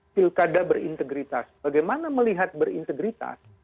pilkada berintegritas bagaimana melihat berintegritas